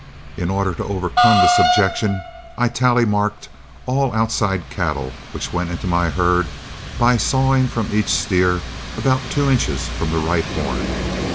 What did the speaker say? In order to overcome this objection, I tally marked all outside cattle which went into my herd by sawing from each steer about two inches from the right horn.